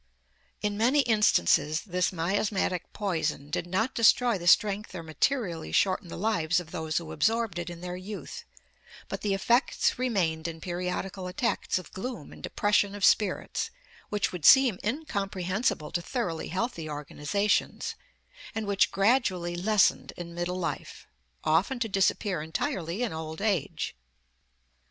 In many instances this miasmatic poison did not destroy the strength or materially shorten the lives of those who absorbed it in their youth; but the effects remained in periodical attacks of gloom and depression of spirits which would seem incomprehensible to thoroughly healthy organizations, and which gradually lessened in middle life, often to disappear entirely in old age.